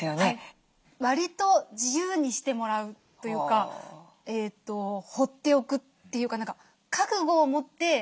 わりと自由にしてもらうというか放っておくというか覚悟を持って見守る。